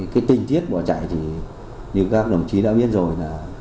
cái tinh tiết bỏ chạy thì như các đồng chí đã biết rồi là